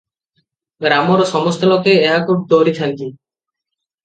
ଗ୍ରାମର ସମସ୍ତ ଲୋକେ ଏହାକୁ ଡରିଥାନ୍ତି ।